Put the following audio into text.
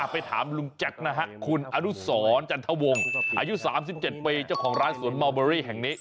ไปถามลุงแจ็คนะฮะคุณอนุสรจันทวงอายุ๓๗ปีเจ้าของร้านสวนเมาเบอรี่แห่งนี้